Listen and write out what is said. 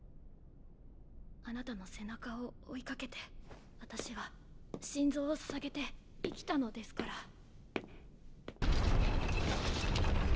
あなたの背中を追いかけて私は心臓を捧げて生きたのですから。